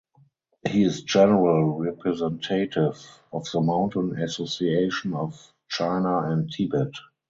He is general representative of the mountain association of China and Tibet.